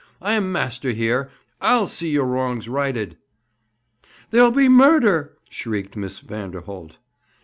I am master here! I'll see your wrongs righted!' 'There'll be murder!' shrieked Miss Vanderholt.